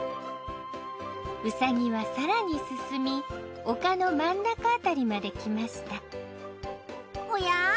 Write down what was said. うさぎは更に進み丘の真ん中あたりまで来ましたおや？